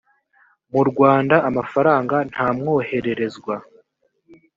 mu rwanda amafaranga ntamwohererezwa